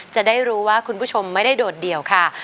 จะได้รู้ว่าคุณผู้ชมไม่ได้โดดเดี่ยวค่ะ